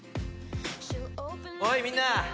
おいみんな。